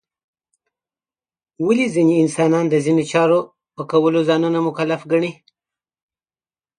ولې ځینې انسانان د ځینو چارو په کولو ځانونه مکلف ګڼي؟